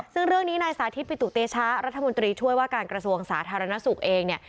ซึ่งเรื่องนี้นายสาธิตปิตุเตชะรัฐมนตรีช่วยว่าการกระทรวงสาธารณสุขเองเนี่ย